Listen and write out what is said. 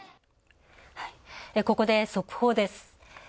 ここで、速報です。